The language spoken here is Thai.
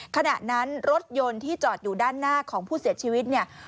ขณะนั้นรถยนต์ที่จอดอยู่ด้านหน้าของผู้เสียชีวิตเนี่ย